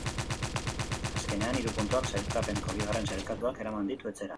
Azkenean, hiru puntuak sailkapeneko bigarren sailkatuak eraman ditu etxera.